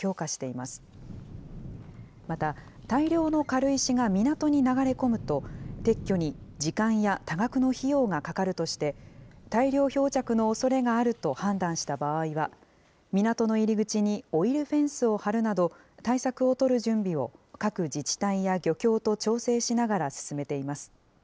また、大量の軽石が港に流れ込むと、撤去に時間や多額の費用がかかるとして、大量漂着のおそれがあると判断した場合は、港の入り口にオイルフェンスを張るなど、対策を取る準備を各自治体や漁協と調整しながら進めています。